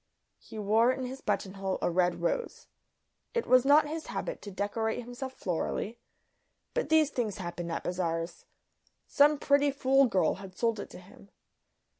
He wore in his buttonhole a red rose; it was not his habit to decorate himself florally, but these things happen at bazaars; some pretty fool girl had sold it to him.